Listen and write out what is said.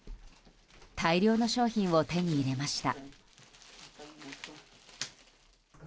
大量の商品を手に入れました。